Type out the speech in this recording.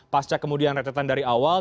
pasca kemudian retetan dari awal